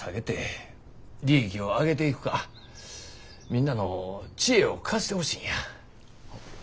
みんなの知恵を貸してほしいんや。